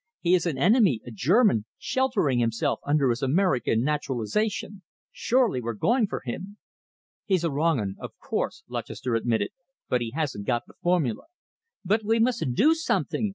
"He is an enemy a German sheltering himself under his American naturalization. Surely we're going for him?" "He's a wrong 'un, of course," Lutchester admitted, "but he hasn't got the formula." "But we must do something!"